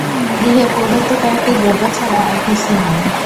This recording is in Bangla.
গৃহে পূর্বোক্ত কয়েকটি দ্রব্য ছাড়া আর কিছুই নাই।